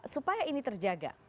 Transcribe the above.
supaya ini terjaga